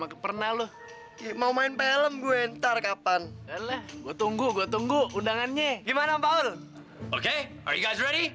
cabang nih abah